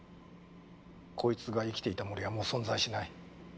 こいつが生きていた森はもう存在しない。